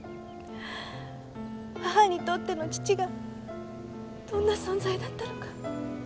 母にとっての父がどんな存在だったのか。